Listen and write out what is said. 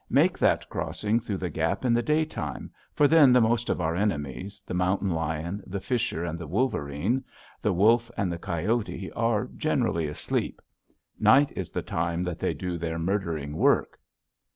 Make that crossing through the gap in the daytime, for then the most of our enemies, the mountain lion, the fisher and the wolverine, the wolf and the coyote, are generally asleep. Night is the time that they do their murdering work.'